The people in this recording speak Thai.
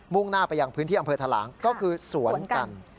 ่งหน้าไปยังพื้นที่อำเภอทะหลางก็คือสวนกัน